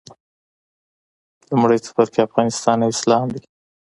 لومړی څپرکی افغانستان او اسلام دی.